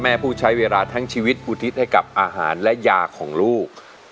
ผู้ใช้เวลาทั้งชีวิตอุทิศให้กับอาหารและยาของลูก